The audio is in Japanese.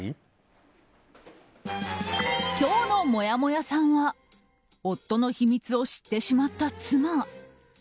今日のもやもやさんは夫の秘密を知ってしまった妻。